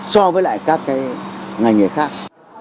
so với lại các cái ngành nghề khác